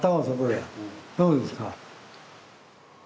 そうですか。